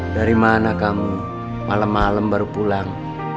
dari mana kamu malam malam baru pulang